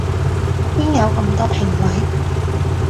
邊有咁多評委